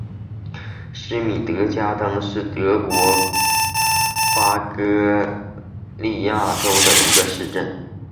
施米德加登是德国巴伐利亚州的一个市镇。